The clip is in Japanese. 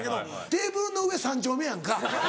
テーブルの上３丁目やんか。